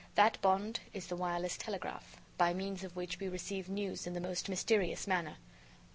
That bond is the wireless telegraph, by means of which we receive news in the most mysterious manner.